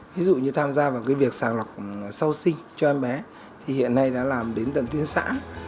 ví dụ như tham gia vào cái việc sàng lọc sau sinh cho em bé thì hiện nay đã làm đến tận tuyến xã